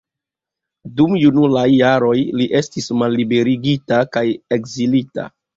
Dum junulaj jaroj li estis malliberigita kaj ekzilita.